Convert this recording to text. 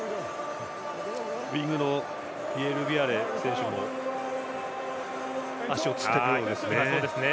ウイングのビエルビアレ選手も足をつったようですね。